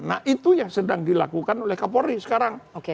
nah itu yang sedang dilakukan oleh kapolri sekarang